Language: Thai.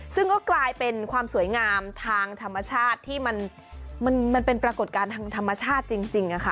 ซึ่งก็กลายเป็นความสวยงามทางธรรมชาติที่มันเป็นปรากฏการณ์ทางธรรมชาติจริงค่ะ